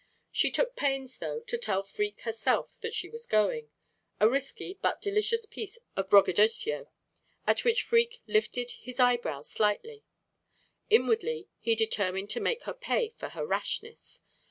She took pains, though, to tell Freke herself that she was going a risky but delicious piece of braggadocio at which Freke lifted his eyebrows slightly. Inwardly he determined to make her pay for her rashness.